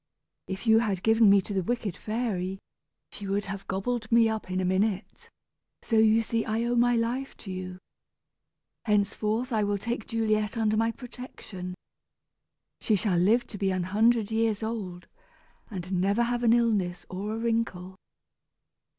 If you had given me to the wicked fairy, she would have gobbled me up in a minute, so you see I owe my life to you. Henceforth I will take Juliet under my protection. She shall live to be an hundred years old, and never have an illness or a wrinkle."